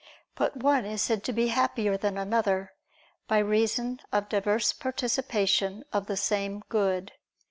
But one is said to be happier than another, by reason of diverse participation of the same good.